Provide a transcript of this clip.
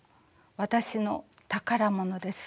私の宝物です。